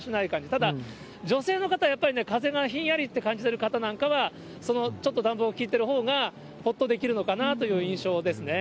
ただ、女性の方、やっぱりね、風がひんやりって感じてる方なんかは、ちょっと暖房効いてるほうがほっとできるのかなという印象ですね。